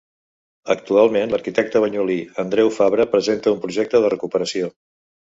Actualment l'arquitecte banyolí, Andreu Fabra, presenta un projecte de recuperació.